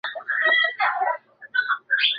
出道时其实声带结茧。